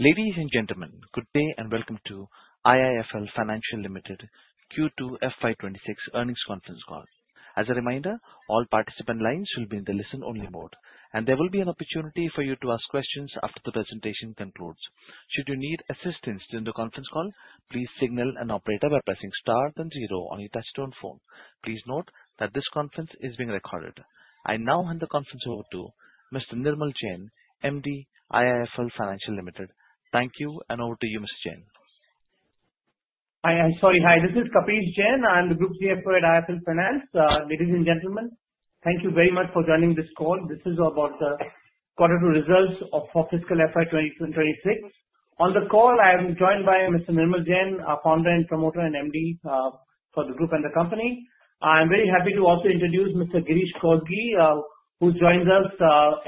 Ladies and gentlemen, good day and welcome to IIFL Finance Limited Q2 FY 2026 Earnings Conference Call. As a reminder, all participant lines will be in the listen-only mode, and there will be an opportunity for you to ask questions after the presentation concludes. Should you need assistance during the conference call, please signal an operator by pressing star then zero on your touch-tone phone. Please note that this conference is being recorded. I now hand the conference over to Mr. Nirmal Jain, MD, IIFL Finance Limited. Thank you, and over to you, Mr. Jain. Hi. This is Kapish Jain. I'm the Group Chief for IIFL Finance. Ladies and gentlemen, thank you very much for joining this call. This is about the quarter two results for fiscal FY 2026. On the call, I am joined by Mr. Nirmal Jain, our Founder and Promoter and MD for the Group and the Company. I'm very happy to also introduce Mr. Girish Kousgi, who joins us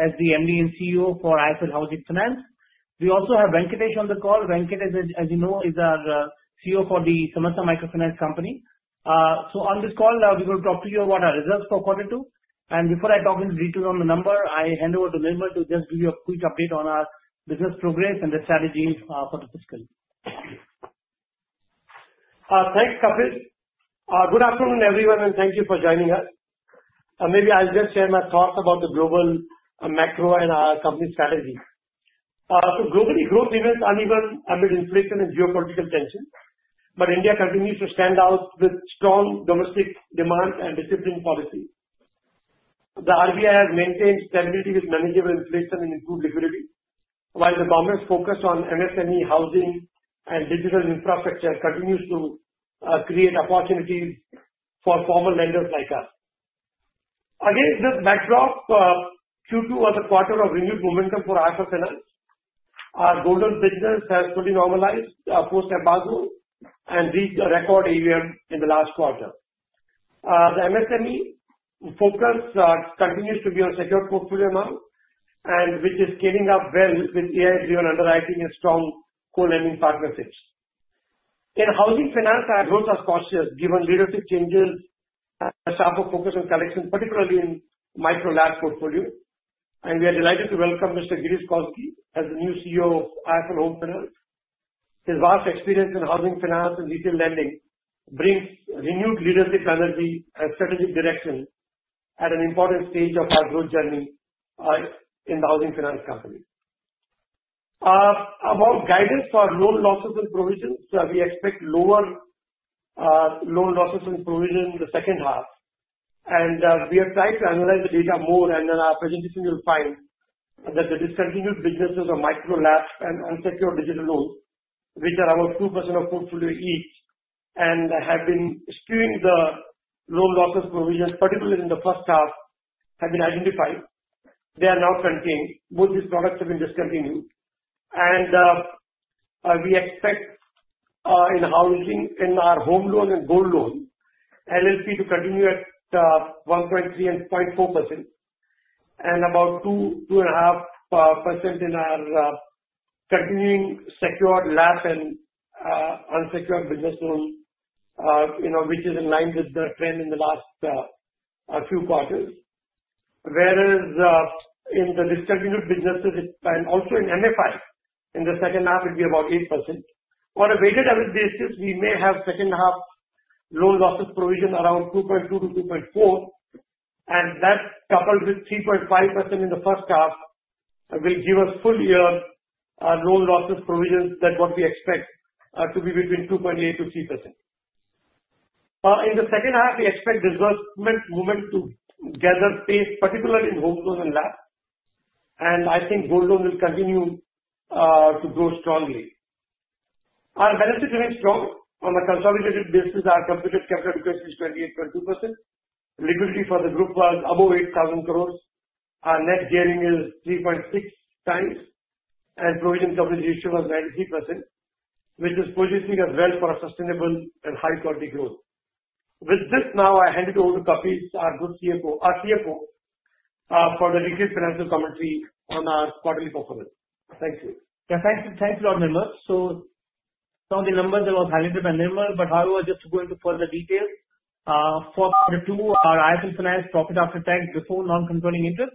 as the MD and CEO for IIFL Home Finance. We also have Venkatesh on the call. Venkatesh, as you know, is our CEO for the Samasta Microfinance Company. So on this call, we will talk to you about our results for quarter two. Before I talk in detail on the number, I hand over to Nirmal to just give you a quick update on our business progress and the strategies for the fiscal. Thanks, Kapish. Good afternoon, everyone, and thank you for joining us. Maybe I'll just share my thoughts about the global macro and our company strategy. Globally, growth is uneven amid inflation and geopolitical tension, but India continues to stand out with strong domestic demand and disciplined policy. The RBI has maintained stability with manageable inflation and improved liquidity, while the government's focus on MSME, housing, and digital infrastructure continues to create opportunities for formal lenders like us. Against this backdrop, Q2 was a quarter of renewed momentum for IIFL Finance. Our gold loan business has fully normalized post-embargo and reached a record AUM in the last quarter. The MSME focus continues to be on secured portfolio amount, which is scaling up well with rigorous underwriting and a strong co-lending partnership. In Housing Finance, our growth was cautious given leadership changes and a stronger focus on collection, particularly in micro-LAP portfolio. We are delighted to welcome Mr. Girish Kousgi as the new CEO of IIFL Home Finance. His vast experience in Housing Finance and retail lending brings renewed leadership energy and strategic direction at an important stage of our growth journey in the Housing Finance Company. About guidance for loan losses and provision, we expect lower loan losses and provision in the second half. We have tried to analyze the data more, and in our presentation, you'll find that the discontinued businesses of micro-LAP and unsecured digital loans, which are about 2% of portfolio each, and have been skewing the loan loss provisions, particularly in the first half, have been identified. They are now front-ended. Both these products have been discontinued. We expect in housing, in our home loan and gold loan to continue at 1.3% and 0.4%, and about 2%-2.5% in our continuing secured LAP and unsecured business loan, which is in line with the trend in the last few quarters. Whereas in the discontinued businesses and also in MFI, in the second half, it will be about 8%. On a weighted average basis, we may have second-half loan loss provisions around 2.2%-2.4%, and that coupled with 3.5% in the first half will give us full-year loan loss provisions than what we expect to be between 2.8%-3%. In the second half, we expect disbursement momentum to gather pace, particularly in home loan and LAP. I think home loan will continue to grow strongly. Our balance sheet remain strong. On a consolidated basis, our computed capital adequacy is 28.2%. Liquidity for the group was above 8,000 crores. Our net gearing is 3.6x, and provision coverage ratio was 93%, which is positioning us well for sustainable and high-quality growth. With this, now I hand it over to Kapish, our CFO, for the retail financial commentary on our quarterly performance. Thank you. Yeah, thank you, Nirmal. So some of the numbers that I was highlighted by Nirmal, but however, just to go into further details, for Q2, our IIFL Finance profit after tax before non-recurring interest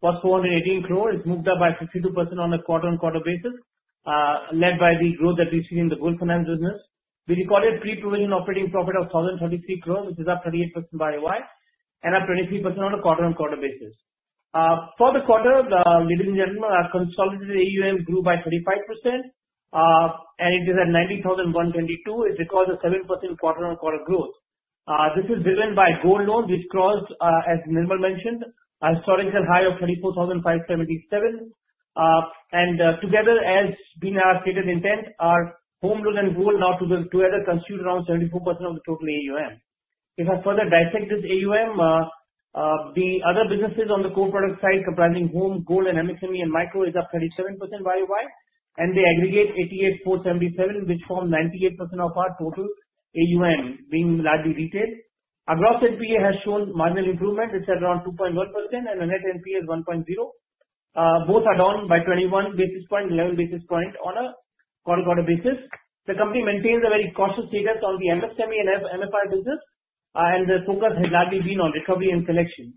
was 418 crores. It moved up by 52% on a quarter-on-quarter basis, led by the growth that we see in the gold finance business. We recorded pre-provision operating profit of 1,033 crores, which is up 38% by YoY and up 23% on a quarter-on-quarter basis. For the quarter, ladies and gentlemen, our consolidated AUM grew by 35%, and it is at 90,122. It records a 7% quarter-on-quarter growth. This is driven by gold loan, which crossed, as Nirmal mentioned, a stunning new high of 34,577, and together, as being our stated intent, our home loan and gold now together consumed around 74% of the total AUM. If I further dissect this AUM, the other businesses on the core product side, comprising home, gold, and MSME and micro, is up 37% YoY, and they aggregate 88,477, which form 98% of our total AUM, being largely retail. Gross NPA has shown marginal improvement. It's at around 2.1%, and the net NPA is 1.0%. Both are down by 21 basis points, 11 basis points on a quarter-quarter basis. The company maintains a very cautious status on the MSME and MFI business, and the focus has largely been on recovery and collection.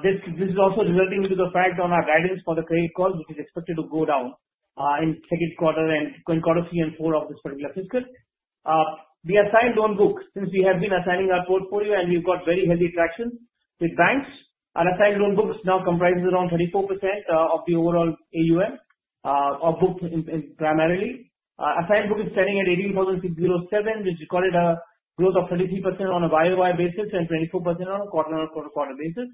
This is also resulting into the fact on our guidance for the credit cost, which is expected to go down in second quarter and quarter three and four of this particular fiscal. The assigned loan books, since we have been assigning our portfolio and we've got very heavy traction with banks, our assigned loan books now comprises around 34% of the overall AUM, or booked primarily. Assigned book is standing at 18,607, which recorded a growth of 33% on a YoY basis and 24% on a quarter-on-quarter basis.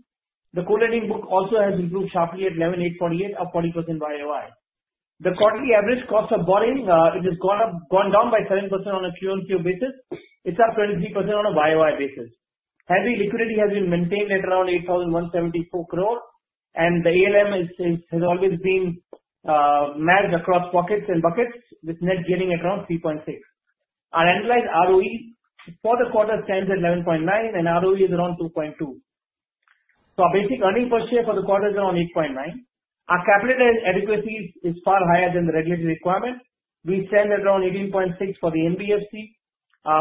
The co-lending book also has improved sharply at 11,848, up 40% YoY. The quarterly average cost of borrowing, it has gone down by 7% on a QoQ basis. It's up 23% on a YoY basis. Heavy liquidity has been maintained at around 8,174 crores, and the ALM has always been matched across pockets and buckets with net gearing at around 3.6x. Our annualized ROE for the quarter stands at 11.9%, and ROA is around 2.2%. So our basic earnings per share for the quarter is around 8.9%. Our capital adequacy is far higher than the regulatory requirement. We stand at around 18.6% for the NBFC.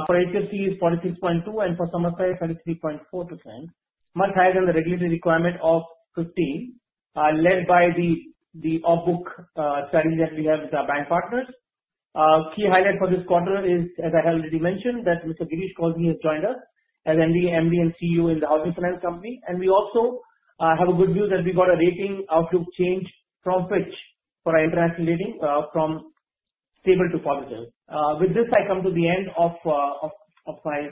For HFC, it's 46.2%, and for Samasta, it's 33.4%, much higher than the regulatory requirement of 15%, led by the off-book strategy that we have with our bank partners. Key highlight for this quarter is, as I already mentioned, that Mr. Girish Kousgi has joined us as MD and CEO in the Housing Finance Company, and we also have good news that we got a rating outlook change from Fitch for our instrument rating from stable to positive. With this, I come to the end of my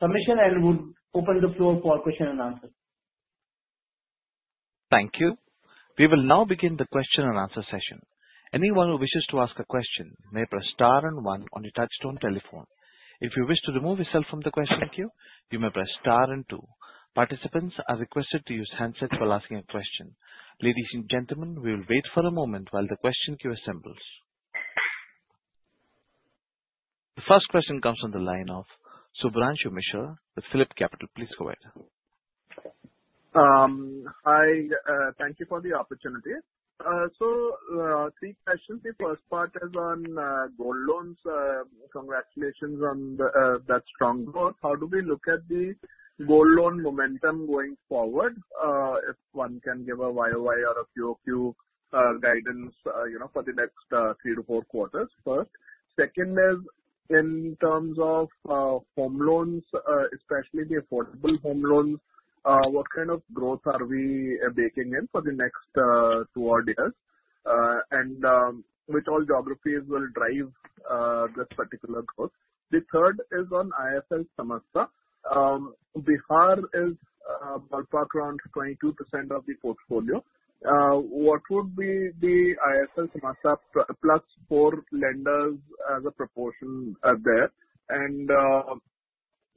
submission and would open the floor for question and answer. Thank you. We will now begin the question and answer session. Anyone who wishes to ask a question may press star and one on your touch-tone telephone. If you wish to remove yourself from the question queue, you may press star and two. Participants are requested to use handset while asking a question. Ladies and gentlemen, we will wait for a moment while the question queue assembles. The first question comes from the line of Shubhranshu Mishra with PhillipCapital. Please go ahead. Hi, thank you for the opportunity. So three questions. The first part is on gold loans. Congratulations on that strong growth. How do we look at the gold loan momentum going forward? If one can give a YoY or a QoQ guidance for the next three to four quarters. First. Second is in terms of home loans, especially the affordable home loans, what kind of growth are we baking in for the next two or three years? And which all geographies will drive this particular growth? The third is on IIFL Samasta. Bihar is 22% of the portfolio. What would be the IIFL Samasta plus four lenders as a proportion there? And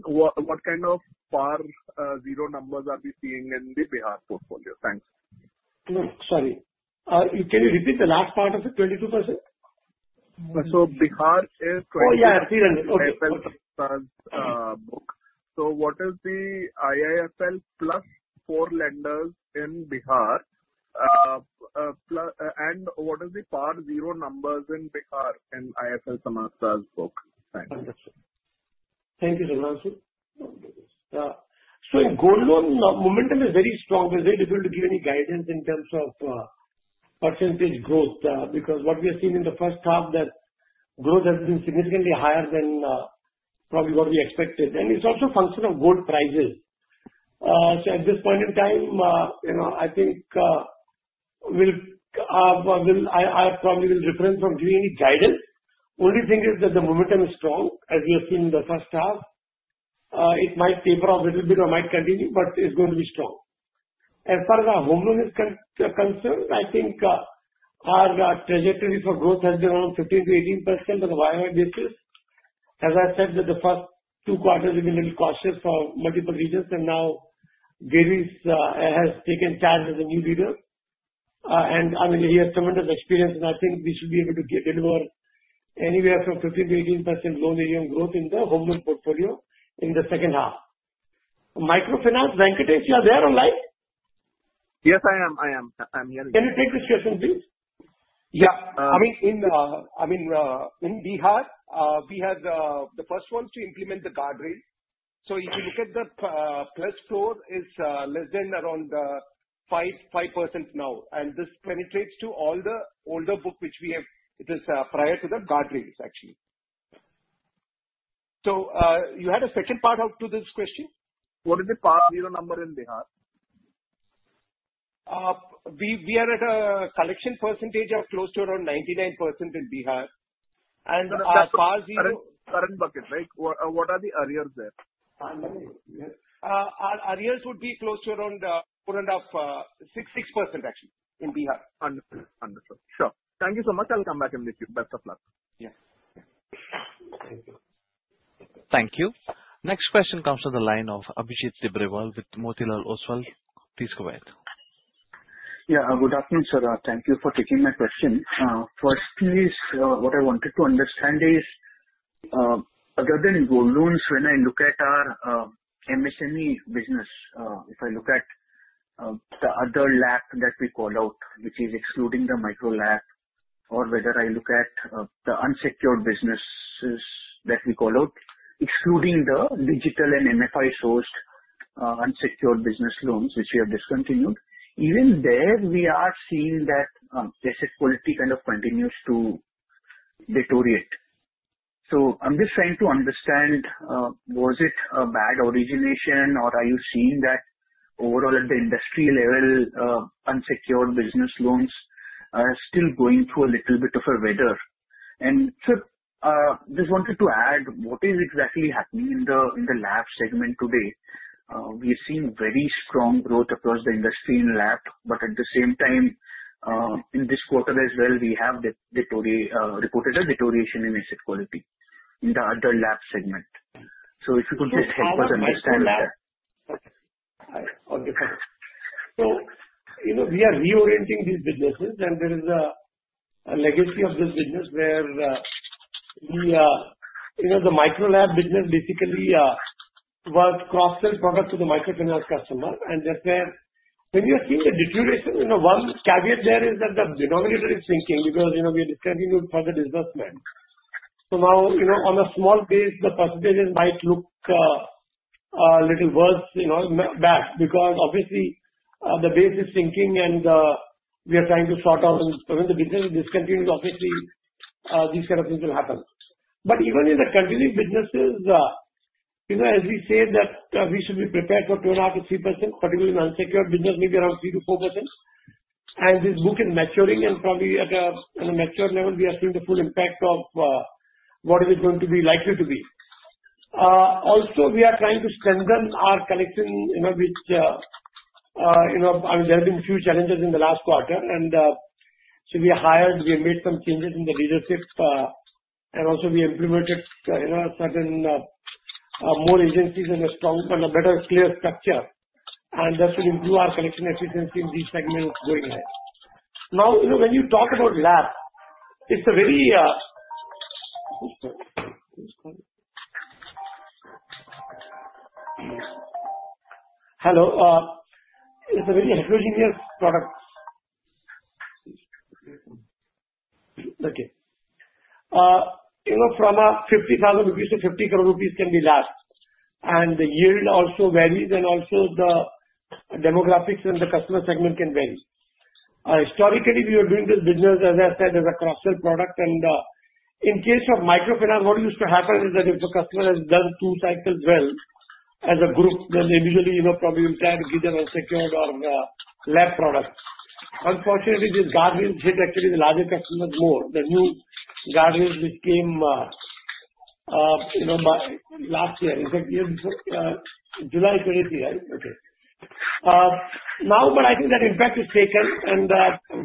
what kind of Par 0 numbers are we seeing in the Bihar portfolio? Thanks. Sorry, can you repeat the last part of it, 22%? Bihar is 22%. Oh, yeah, I see it. Okay. Because so what is the IIFL plus four lenders in Bihar? And what are the Par 0 numbers in Bihar in IIFL Samasta's book? Thanks. Understood. Thank you, Shubhranshu. Gold loan momentum is very strong. It's very difficult to give any guidance in terms of percentage growth because what we have seen in the first half, that growth has been significantly higher than probably what we expected. And it's also a function of gold prices. At this point in time, I think I probably will reference from FY 2025 guidance. Only thing is that the momentum is strong, as we have seen in the first half. It might taper off a little bit or might continue, but it's going to be strong. As far as our home loan is concerned, I think our trajectory for growth has been around 15%-18% on a YoY basis. As I said, the first two quarters, we've been a little cautious for multiple reasons, and now Girish has taken charge as a new leader. And I mean, he has tremendous experience, and I think we should be able to deliver anywhere from 15%-18% loan AUM growth in the home loan portfolio in the second half. Microfinance, Venkatesh, you are there on live? Yes, I am. I am. Can you take a step like this? Yeah. I mean, in Bihar, we had the first one to implement the guardrail. So if you look at the plus four, it's less than around 5% now. And this penetrates to all the older book, which we have. It is prior to the guardrails, actually. So you had a second part to this question. What is the Par 0 number in Bihar? We are at a collection percentage of close to around 99% in Bihar. But as far as the current market, right, what are the arrears there? Arrears would be close to around 4.5%-6%, actually, in Bihar. Wonderful. Wonderful. So thank you so much. I'll come back in the Q. Best of luck. Yes. Thank you. Thank you. Next question comes from the line of Abhijit Tibrewal with Motilal Oswal. Please go ahead. Yeah, good afternoon, Sir. Thank you for taking my question. Firstly, what I wanted to understand is, other than gold loans, when I look at our MSME business, if I look at the other LAP that we call out, which is excluding the micro-LAP, or whether I look at the unsecured business loans that we call out, excluding the digital and MFI-sourced unsecured business loans, which we have discontinued, even there, we are seeing that credit quality kind of continues to deteriorate. So I'm just trying to understand, was it a bad origination, or are you seeing that overall at the industry level, unsecured business loans are still going through a little bit of a weather? And just wanted to add, what is exactly happening in the LAP segment today? We've seen very strong growth across the industry in LAP, but at the same time, in this quarter as well, we have reported a deterioration in asset quality in the other LAP segment. So if you can please help us understand that? Okay. So we are reorienting these businesses, and there is a legacy of this business where the micro-LAP business basically was cross-sell products to the microfinance customer. And that's where when you see the deterioration, one caveat there is that the denominator is sinking because we're discontinued for the disbursement. So now, on a small base, the percentages might look a little worse back because obviously, the base is sinking, and we are trying to sort out. When the business is discontinued, obviously, these kind of things will happen. But even in the continuing businesses, as we said, that we should be prepared for 2.5%-3%, particularly in the unsecured business, maybe around 3%-4%. And this book is maturing, and probably at a mature level, we are seeing the full impact of what it is going to be likely to be. Also, we are trying to strengthen our collection, which I mean, there have been a few challenges in the last quarter. And so we hired, we made some changes in the leadership, and also we implemented certain more agencies and a stronger and a better clear structure. And that will improve our collection efficiency in these segments going ahead. Now, when you talk about lab, it's a very hello? It's a very heterogeneous product. Okay. From INR 50,000 to 50,000 rupees can be LAP. And the yield also varies, and also the demographics and the customer segment can vary. Historically, we were doing this business, as I said, as a cross-sell product. And in case of microfinance, what used to happen is that if a customer has done two cycles well as a group, then individually probably will tag either unsecured or LAP product. Unfortunately, these guardrails hit actually the larger customers more. The new guardrails which came last year, in fact, July 23, right? Okay. Now, but I think that impact is taken, and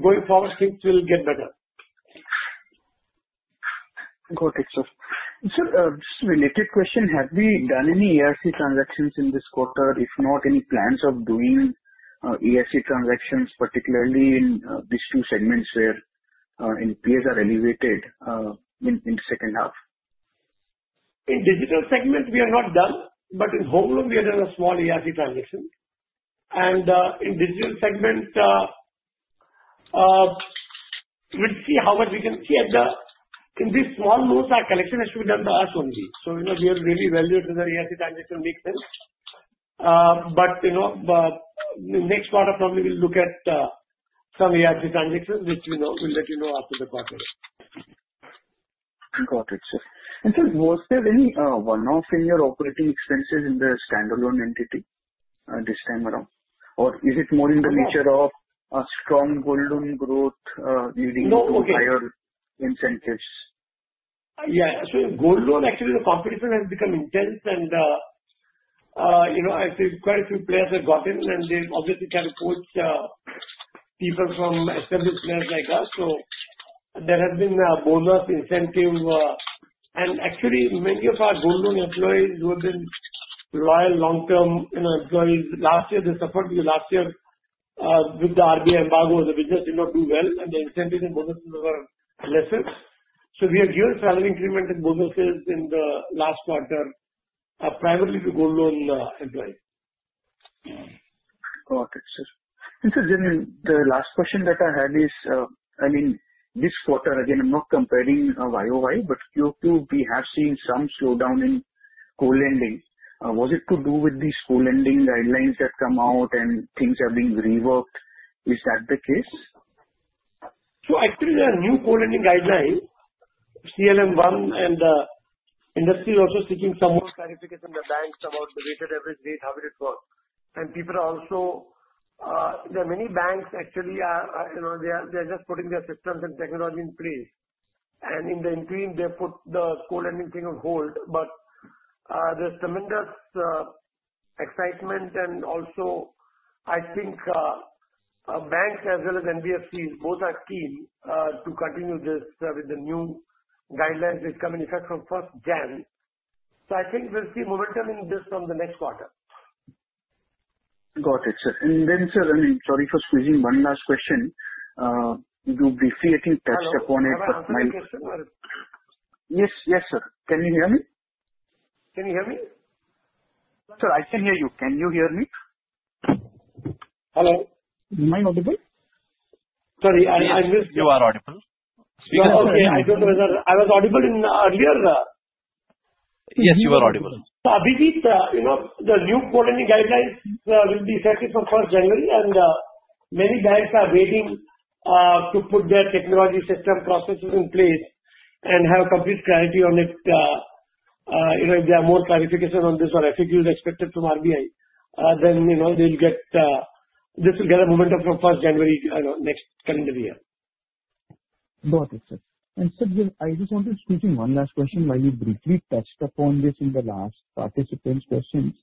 going forward, things will get better. Got it, sir. Sir, just a related question. Have we done any ARC transactions in this quarter? If not, any plans of doing ARC transactions, particularly in these two segments where NPAs are elevated in the second half? In digital segment, we are not done, but in home loan, we had a small ARC transaction. And in digital segment, we'll see how much we can see. In these small loans, our collection has to be done by us only. So we are really valued as our ARC transaction makes sense. But in the next quarter, probably we'll look at some ARC transactions, which we'll let you know after the quarter. Got it. And sir, was there any one-off in your operating expenses in the standalone entity this time around? Or is it more in the nature of a strong gold loan growth using higher incentives? Yeah. So gold loan, actually, the competition has become intense, and I think quite a few players have got into it, and they obviously try to poach people from existing players like us. So there has been a bonus incentive. And actually, many of our gold loan employees were very loyal long-term employees. Last year, they suffered because last year, with the RBI embargo, the business did not do well, and the incentives and bonuses were lesser. So we have huge salary increments and bonuses in the last quarter, primarily to gold loan employees. Got it, sir. And sir, Jain, the last question that I had is, I mean, this quarter, again, I'm not comparing YoY, but QoQ, we have seen some slowdown in co-lending. Was it to do with these co-lending guidelines that come out and things are being reworked? Is that the case? So actually, there are new co-lending guidelines, CLM 1, and the industry is also seeking some more clarification in the banks about the weighted average rate, how it works. And there are many banks, actually, they're just putting their systems and technology in place. And in the interim, they put the co-lending thing on hold. But there's tremendous excitement, and also, I think banks as well as NBFCs, both are keen to continue this with the new guidelines which come into effect from 1st January. So I think we'll see momentum in this from the next quarter. Got it, sir. And then, sir, sorry for squeezing, one last question. You see anything touched upon it? Abhijit, the new co-lending guidelines will be set for 1st January, and many banks are waiting to put their technology system processes in place and have complete clarity on it. If there are more clarifications on this or FAQs expected from RBI, then they'll get a momentum from 1st January next calendar year. Got it, sir. And sir, I just want to take one last question. Might we briefly touch upon this in the last participant's questions?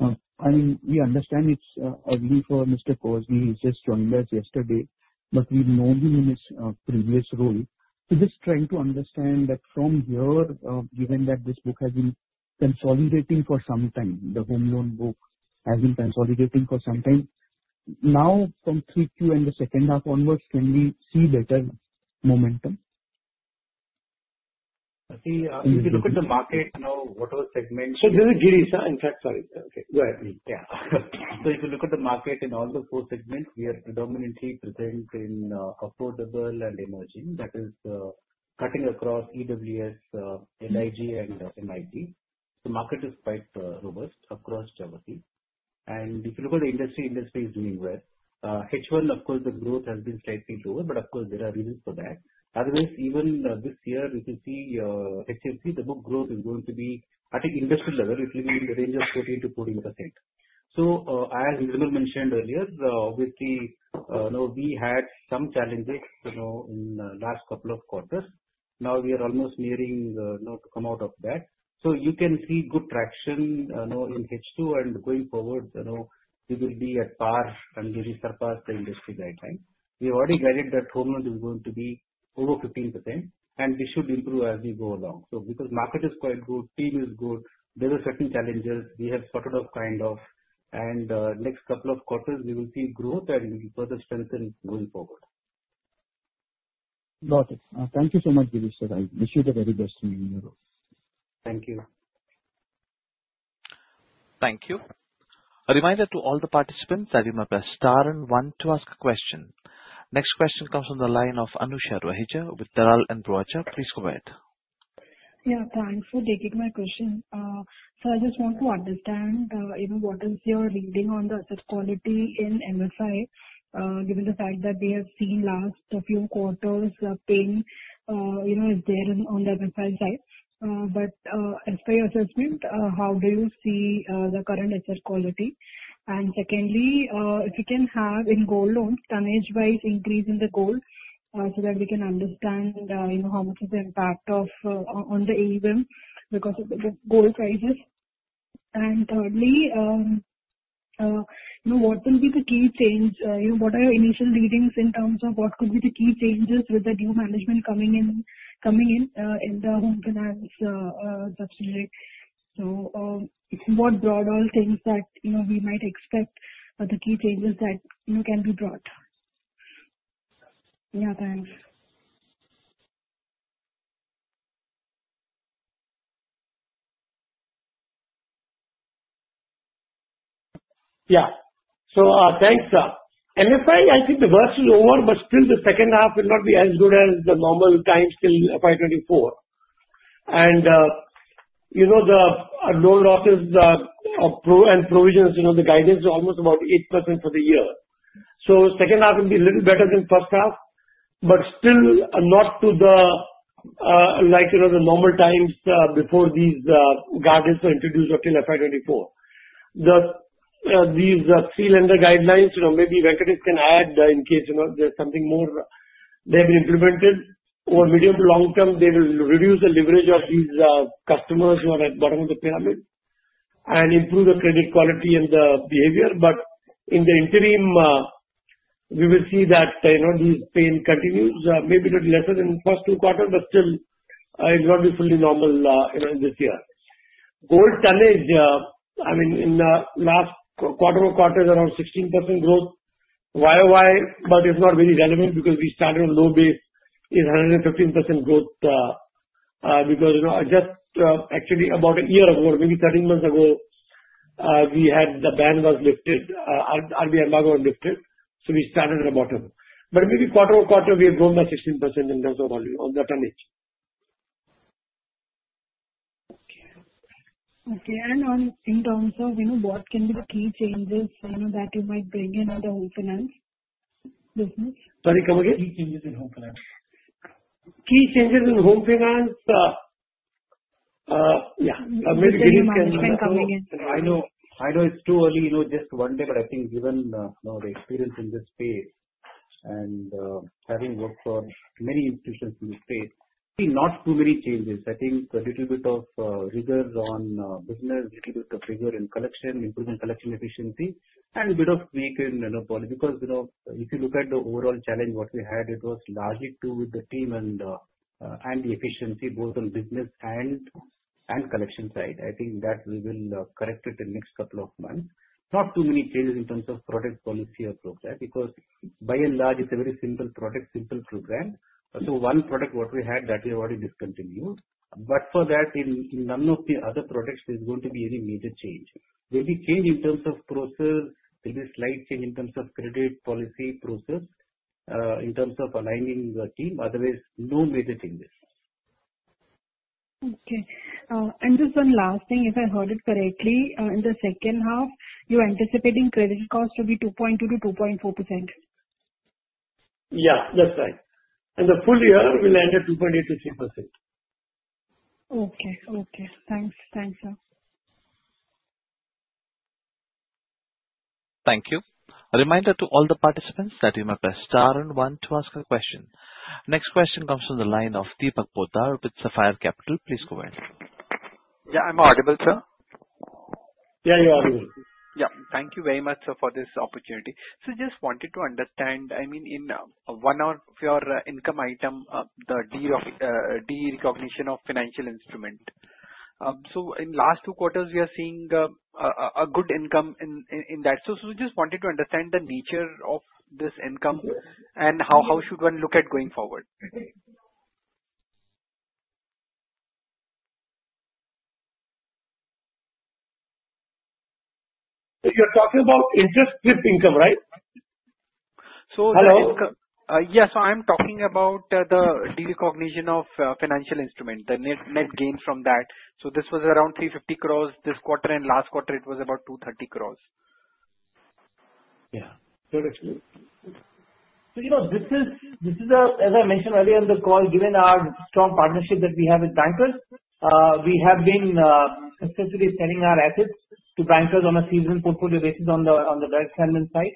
I mean, we understand it's early for Mr. Kousgi. He just joined us yesterday, but we've known him in his previous role. So just trying to understand that from here, given that this book has been consolidating for some time, the home loan book has been consolidating for some time, now from Q3 and the second half onwards, can we see better momentum? If you look at the market now, what are the segments? This is Girish. In fact, sorry. Okay, go ahead. Yeah. So if you look at the market in all the four segments, we are predominantly present in Affordable and Emerging. That is cutting across EWS, LIG, and MIG. The market is quite robust across geography. And if you look at the industry, industry is doing well. H1, of course, the growth has been slightly lower, but of course, there are reasons for that. Otherwise, even this year, we can see H2, the book growth is going to be, I think, industry level, it will be in the range of 13%-14%. So as Nirmal mentioned earlier, obviously, we had some challenges in the last couple of quarters. Now we are almost nearing to come out of that. So you can see good traction in H2 and going forward, we will be at par and surpass the industry guideline. We already guided that home loan is going to be over 15%, and we should improve as we go along. So because the market is quite good, team is good, there are certain challenges we have sorted out kind of, and next couple of quarters, we will see growth and further strengthening going forward. Got it. Thank you so much, Girish. I wish you the very best in your role. Thank you. Thank you. A reminder to all the participants, I'll give my best to the first one to ask a question. Next question comes from the line of Anusha Raheja with Dalal & Broacha. Please go ahead. Yeah, thanks for taking my question. So I just want to understand what is your reading on the asset quality in MFI, given the fact that we have seen last few quarters the pain is there on the MFI side. But as per your assessment, how do you see the current asset quality? And secondly, if you can have in gold loans, tonnage-wise increase in the gold so that we can understand how much is the impact on the AUM because of the gold crisis. And thirdly, what will be the key change? What are your initial readings in terms of what could be the key changes with the new management coming in in the home finance subsidiary? So what broader things that we might expect are the key changes that can be brought? Yeah, thanks. Yeah. So thanks. MFI, I think the worst is over, but still the second half will not be as good as the normal time till FY 2024. And the loan loss provisions, the guidance is almost about 8% for the year. So second half will be a little better than first half, but still not like the normal times before these guidance were introduced in FY 2024. These three lender guidelines, maybe Venkatesh can add in case there's something more they have implemented over medium to long term, they will reduce the leverage of these customers who are at the bottom of the pyramid and improve the credit quality and the behavior. But in the interim, we will see that this pain continues, maybe not lesser than the first two quarters, but still it won't be fully normal this year. Gold tonnage, I mean, in the last quarter or quarter, around 16% growth. YoY, but it's not very relevant because we started on low base in 115% growth because just actually about a year ago, maybe 13 months ago, we had the ban was lifted, RBI embargo was lifted, so we started at the bottom. But maybe quarter over quarter, we have grown by 16% in terms of the tonnage. Okay. And in terms of what can be the key changes that you might bring in the home finance business? Sorry, come again? Key changes in home finance. Key changes in home finance, yeah. Maybe Girish can elaborate. I know it's too early, just one day, but I think given the experience in this space and having worked for many institutions in this space, not too many changes. I think a little bit of rigor on business, a little bit of rigor in collection, improving collection efficiency, and a bit of tightened policy. Because if you look at the overall challenge, what we had, it was largely to do with the team and the efficiency, both on business and collection side. I think that we will correct it in the next couple of months. Not too many changes in terms of product policy or program because by and large, it's a very simple product, simple program. So one product, what we had, that we already discontinued. But for that, in none of the other products, there's going to be any major change. There'll be change in terms of process, there'll be a slight change in terms of credit policy process, in terms of aligning the team. Otherwise, no major changes. Okay. And just one last thing, if I heard it correctly, in the second half, you're anticipating credit costs to be 2.2%-2.4%? Yeah, that's right, and the full year will enter 2.8%-3%. Okay, okay. Thanks, thanks, sir. Thank you. A reminder to all the participants that you may press star and one to ask a question. Next question comes from the line of Deepak Poddar with Sapphire Capital. Please go ahead. Yeah, I'm audible, sir? Yeah, you're audible. Yeah. Thank you very much, sir, for this opportunity. So just wanted to understand, I mean, in one of your income items, the derecognition of financial instrument. So in the last two quarters, we are seeing a good income in that. So we just wanted to understand the nature of this income and how should one look at going forward? You're talking about interest-free income, right? Yes, so I'm talking about the derecognition of financial instrument, the net gains from that. So this was around 350 crores this quarter, and last quarter, it was about 230 crores. So this is, as I mentioned earlier in the call, given our strong partnership that we have with bankers, we have been essentially selling our assets to bankers on a seasonal portfolio basis on the direct assignment side.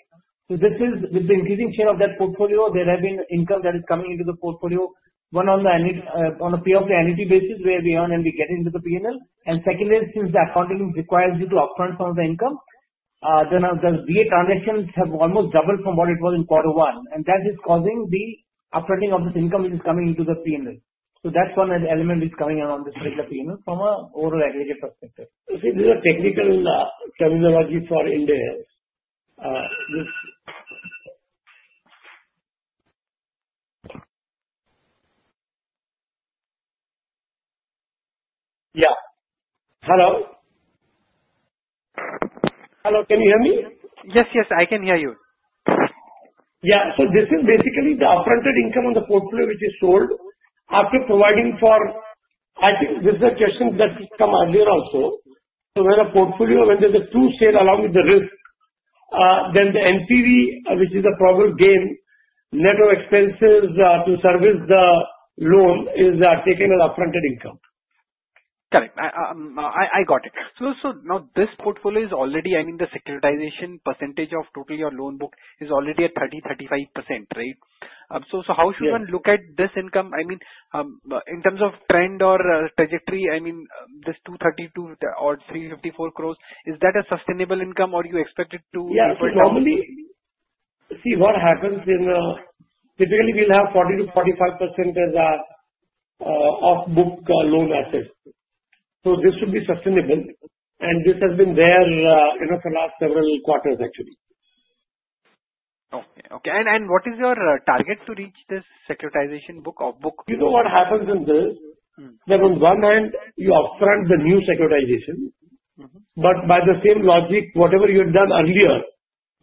So this is the increasing share of that portfolio. There have been income that is coming into the portfolio, one on a pay-off-to-annuity basis where we earn and we get into the P&L. And secondly, since the accounting requires you to upfront some of the income, then the DA transactions have almost doubled from what it was in quarter one. And that is causing the upfronting of this income which is coming into the P&L. So that's one element which is coming out on this particular P&L from an overall aggregate perspective. So see, these are technical terminologies for in there. Yeah. So this is basically the upfronted income on the portfolio which is sold after providing for, I think this is a question that should come earlier also. So when a portfolio, when there's a true sale along with the risk, then the NPV, which is the probable gain, net of expenses to service the loan, is taken as upfronted income. Correct. I got it. So now this portfolio is already, I mean, the securitization percentage of totally your loan book is already at 30%-35%, right? So how should one look at this income? I mean, in terms of trend or trajectory, I mean, this 232 or 354 crores, is that a sustainable income or you expect it to? Yeah, normally, see what happens in typically we'll have 40%-45% of book loan assets. So this should be sustainable, and this has been there for the last several quarters, actually. Okay, okay. And what is your target to reach this securitization book, off-book? You know what happens in this? That on one hand, you upfront the new securitization. But by the same logic, whatever you had done earlier,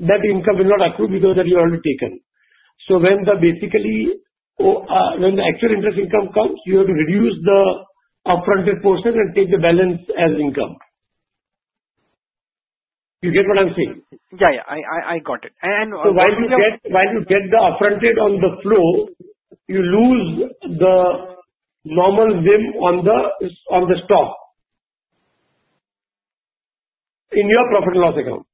that income will not accrue because that you already taken. So when the actual interest income comes, you have to reduce the upfronted portion and take the balance as income. You get what I'm saying? Yeah, yeah. I got it. And. While you get the upfronted on the flow, you lose the normal NIM on the stock in your profit and loss account.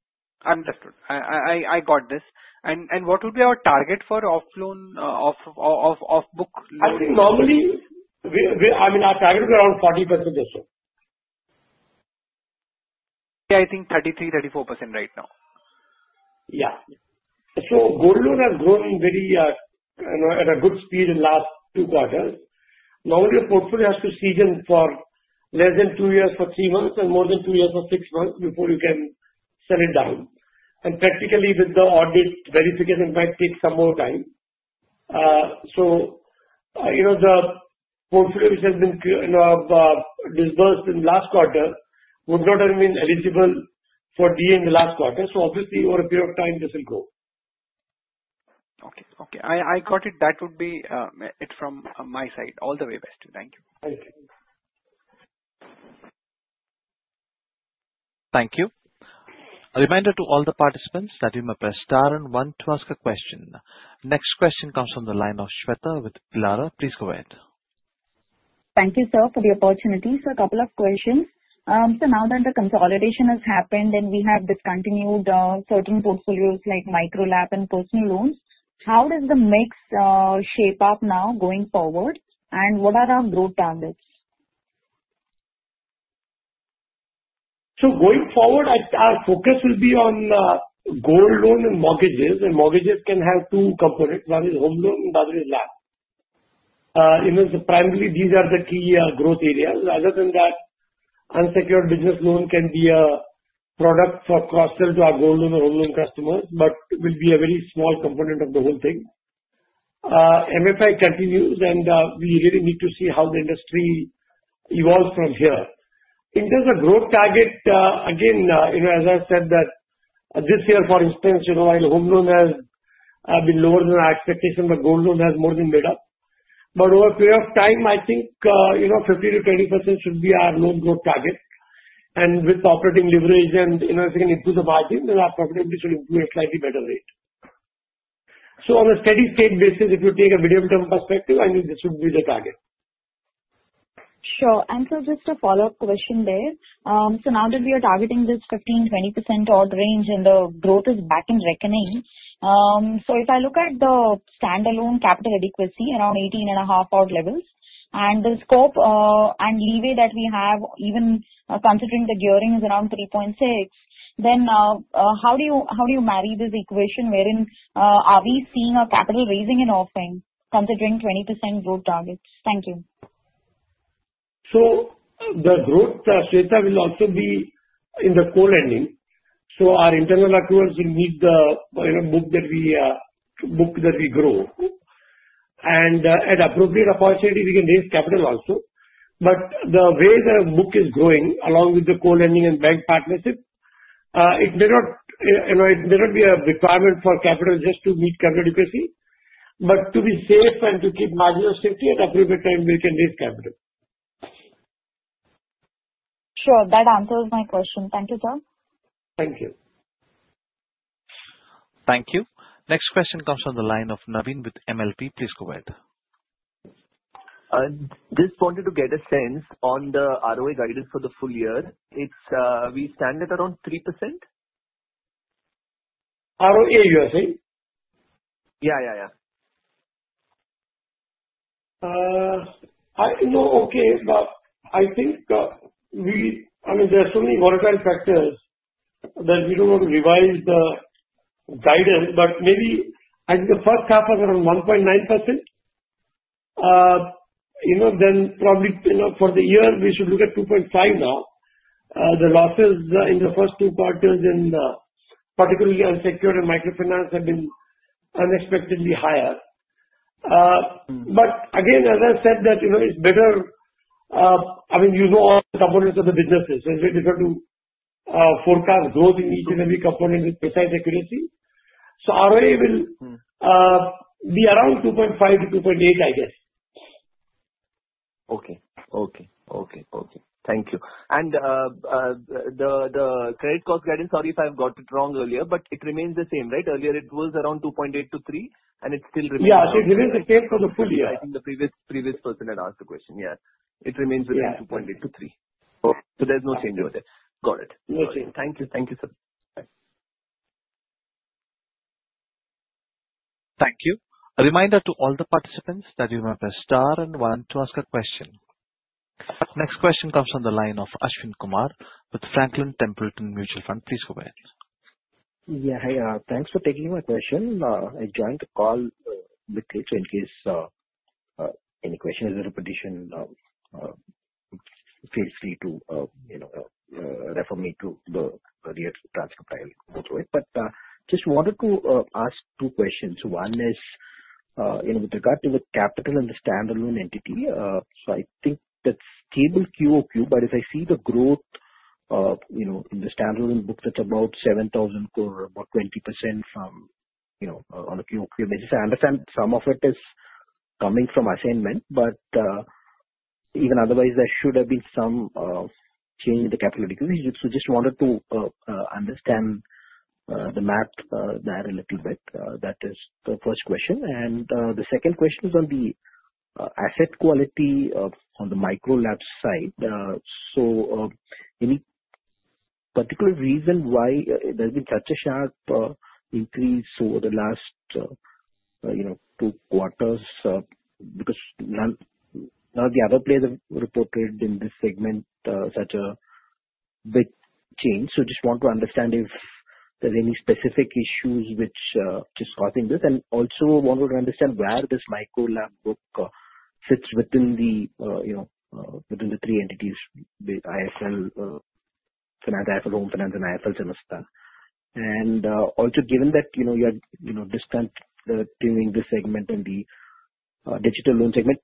Understood. I got this. And what would be our target for off-loan, off-book? I think normally, I mean, our target would be around 40%, sir. I think 33%,-34% right now. Yeah, so gold loan has grown very at a good speed in the last two quarters. Normally, a portfolio has to season for less than two years for three months and more than two years for six months before you can sell it down, and practically, with the audit verification, it might take some more time, so the portfolio which has been disbursed in the last quarter would not have been eligible for DA in the last quarter, so obviously, over a period of time, this will go. Okay, okay. I got it. That would be it from my side. All the very best. Thank you. Thank you. Thank you. A reminder to all the participants that you may press star one to ask a question. Next question comes from the line of Shweta with Elara. Please go ahead. Thank you, sir, for the opportunity for a couple of questions. So now that the consolidation has happened and we have discontinued certain portfolios like micro-LAP and personal loans, how does the mix shape up now going forward? And what are our growth targets? So going forward, our focus will be on gold loan and mortgages. And mortgages can have two components. One is home loan, the other is LAP. Primarily, these are the key growth areas. Other than that, unsecured business loan can be a product for cross-sell to our gold loan or home loan customers, but will be a very small component of the whole thing. MFI continues, and we really need to see how the industry evolves from here. In terms of growth target, again, as I said, that this year, for instance, home loan has been lower than our expectation, but gold loan has more than better. But over a period of time, I think 15% to 20% should be our loan growth target. And with operating leverage and increase of margin, then our profitability should improve slightly better. So on a steady-state basis, if you take a medium-term perspective, I mean, this would be the target. Sure. And so just a follow-up question there. So now that we are targeting this 15%-20% odd range and the growth is back in reckoning, so if I look at the standalone capital adequacy around 18.5-odd levels and the scope and leeway that we have, even considering the gearing is around 3.6x, then how do you marry this equation? Wherein are we seeing our capital raising and offing considering 20% growth targets? Thank you. The growth, Shweta will also be in the co-lending. Our internal accruals will meet the growth of the book. At appropriate opportunity, we can raise capital also. But the way the book is going along with the co-lending and bank partnership, it may not be a requirement for capital just to meet capital adequacy, but to be safe and to keep margin of safety at appropriate time, we can raise capital. Sure. That answers my question. Thank you, sir. Thank you. Thank you. Next question comes from the line of Naveen with [MLP]. Please go ahead. Just wanted to get a sense on the ROA guidance for the full year. We stand at around 3%? ROA, you are saying? Yeah, yeah, yeah. No, okay. I think, I mean, there are so many volatile factors that we don't want to revise the guidance, but maybe I think the first half was around 1.9%. Then probably for the year, we should look at 2.5% now. The losses in the first two quarters, particularly unsecured and microfinance, have been unexpectedly higher. But again, as I said, that it's better, I mean, you know what components of the business is. You've got to forecast growth in each and every component with precise accuracy. So ROA will be around 2.5%-2.8%, I guess. Okay. Thank you. And the credit cost guidance, sorry if I've got it wrong earlier, but it remains the same, right? Earlier, it was around 2.8%-3%, and it's still remaining. Yeah, it remains the same for the full year. I think the previous person had asked the question, yeah. It remains within 2.8%-3%. So there's no change over there. Got it. No change. Thank you. Thank you, sir. Thank you. A reminder to all the participants that you may press star one to ask a question. Next question comes from the line of Ashwin Kumar with Franklin Templeton Mutual Fund. Please go ahead. Yeah, thanks for taking my question. I joined the call quickly so in case any question is a repetition, feel free to refer me to the earlier transcript. I went through it. But just wanted to ask two questions. One is, with regard to the capital and the standalone entity, so I think that's stable QoQ, but if I see the growth in the standalone book, that's about 7,000 crore, about 20% from on a QoQ basis. I understand some of it is coming from assignment, but even otherwise, there should have been some change in the capital adequacy. So just wanted to understand the math there a little bit. That is the first question. And the second question is on the asset quality on the micro-LAP side. So any particular reason why there's been such a sharp increase over the last two quarters? Because none of the other players have reported in this segment such a big change, so just want to understand if there's any specific issues which are causing this, and also wanted to understand where this micro-LAP book sits within the three entities: IIFL, IIFL Home Finance, and IIFL Samasta, and also given that you have discount during this segment in the digital loan segment,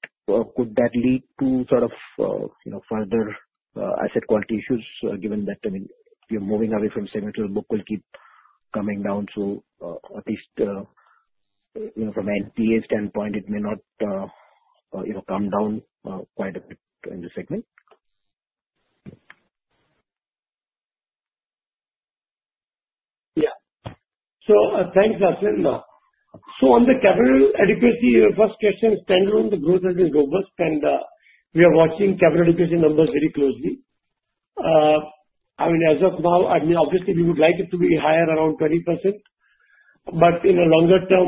could that lead to sort of further asset quality issues given that, I mean, you're moving away from segment to the book will keep coming down, so at least from an NPA standpoint, it may not come down quite a bit in the segment. Yeah. So thanks, Ashwin. So on the capital adequacy, your first question is standalone, the growth has been robust, and we are watching capital adequacy numbers very closely. I mean, as of now, I mean, obviously, we would like it to be higher around 20%, but in a longer-term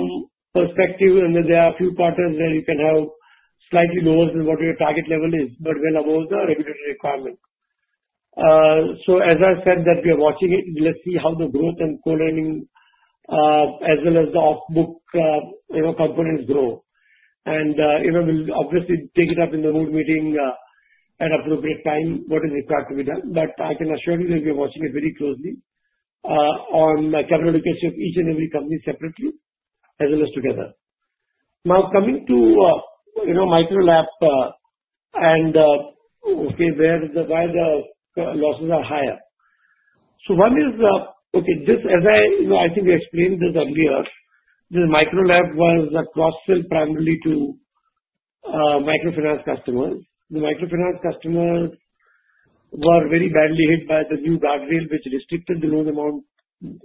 perspective, I mean, there are a few quarters where you can have slightly lower than what your target level is, but then above the regulatory requirement. So as I said, that we are watching it, let's see how the growth and co-lending, as well as the off-book components grow. And we'll obviously take it up in the roadshow at appropriate time, what is expected with that. But I can assure you that we are watching it very closely on the capital adequacy of each and every company separately as well as together. Now coming to micro-LAP, okay, where the losses are higher. So one is, just as I think we explained this earlier, the micro-LAP was cross-sell primarily to microfinance customers. The microfinance customers were very badly hit by the new guardrail, which restricted the loan amount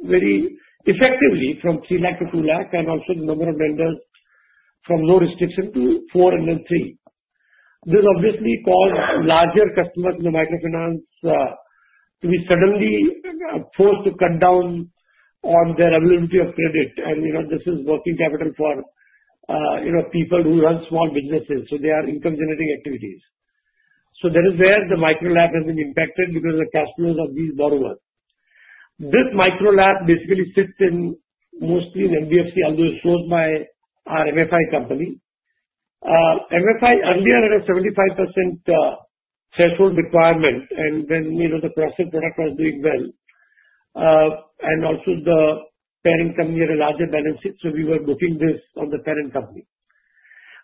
very effectively from 3 lakh-2 lakh and also the number of lenders from low restriction to 4 lakh and then 3 lakh. This obviously caused larger customers in the microfinance to be suddenly forced to cut down on their availability of credit. And this is working capital for people who run small businesses, so they are income-generating activities. So that is where the micro-LAP has been impacted because of the cash flows of these borrowers. This micro-LAP basically sits in mostly in NBFC, although it's closed by our MFI company. MFI earlier had a 75% threshold requirement, and then the personal product was doing well, and also the parent company had a larger balance sheet, so we were looking at this on the parent company.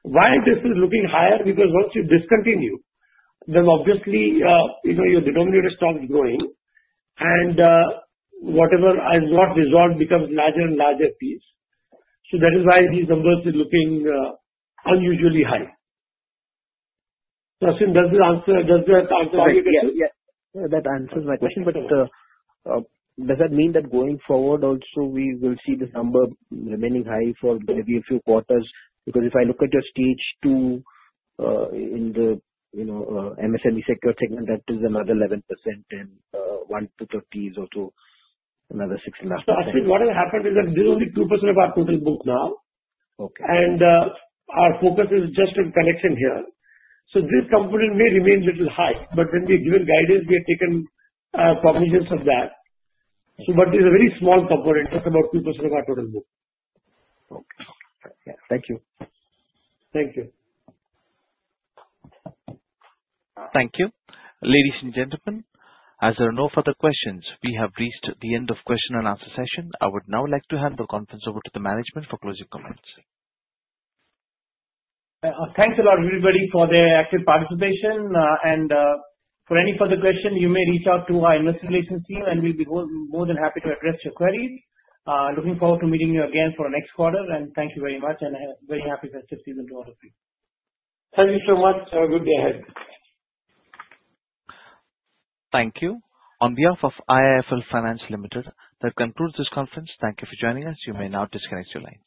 Why is this looking higher? Because once you discontinue, then obviously your denominator stock is growing, and whatever has not resolved becomes larger and larger piece, so that is why these numbers are looking unusually high, so Ashwin, does that answer my question? Yes. That answers my question. But does that mean that going forward, also we will see this number remaining high for maybe a few quarters? Because if I look at your stage two in the MSME secured segment, that is another 11%, and one to 30 is also another 6.5%. Ashwin, what has happened is that this is only 2% of our total book now. And our focus is just on collection here. So this component may remain a little high, but when we're given guidance, we have taken cognizance of that. But it is a very small component, just about 2% of our total book. Thank you. Thank you. Thank you. Ladies and gentlemen, as there are no further questions, we have reached the end of question-and-answer session. I would now like to hand the conference over to the management for closing comments. Thanks a lot, everybody, for their active participation. For any further questions, you may reach out to our investor relations team, and we'll be more than happy to address your queries. Looking forward to meeting you again for the next quarter. Thank you very much, and I'm very happy to assist you in the order of things. Thank you so much. Have a good day ahead. Thank you. On behalf of IIFL Finance Limited, that concludes this conference. Thank you for joining us. You may now disconnect your lines.